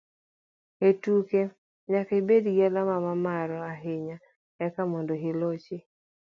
E tuke, nyaka ibed gi alama mamalo ahinya eka mondo ilochi